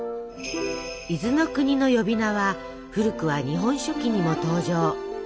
伊豆国の呼び名は古くは「日本書紀」にも登場。